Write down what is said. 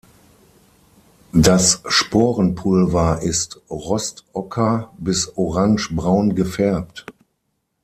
Das Sporenpulver ist rostocker bis orangebraun gefärbt.